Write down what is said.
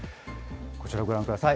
こちらご覧ください。